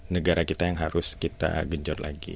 negara kita yang harus kita genjot lagi